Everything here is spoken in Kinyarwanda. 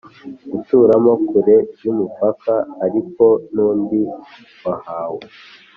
Guturamo kure y umupaka ariko n undi wahawe